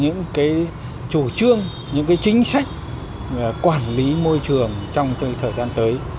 những cái chủ trương những cái chính sách quản lý môi trường trong thời gian tới